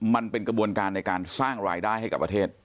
มันเป็นกระบวนการในการสร้างรายได้ให้กับประเทศ